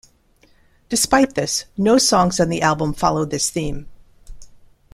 Despite this, no songs on the album follow this theme.